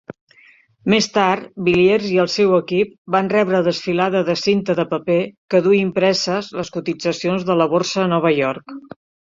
Més tard, Villiers i el seu equip van rebre desfilada de cinta de paper que duu impreses les cotitzacions de la borsa a Nova York.